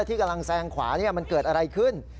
ที่กำลังแซงขวามันเกิดอะไรขึ้น